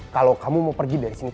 kalau kamu mau pergi dari sini